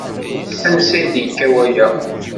Ansa i d-yekka waya?